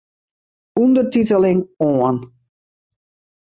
Undertiteling oan.